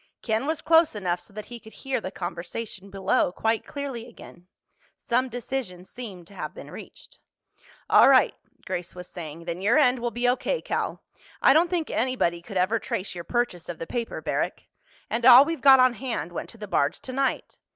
Ken was close enough so that he could hear the conversation below quite clearly again. Some decision seemed to have been reached. "All right," Grace was saying, "then your end will be O.K., Cal. I don't think anybody could ever trace your purchase of the paper, Barrack. And all we've got on hand went to the barge tonight.